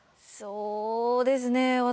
そうですね